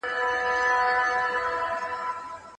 سرلوړي یوازي د اسلام په پیروۍ کي ده.